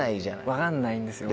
分かんないんですよ。